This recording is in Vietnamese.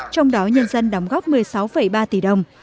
trong đó nhân dân đóng góp một mươi sáu ba tỷ đồng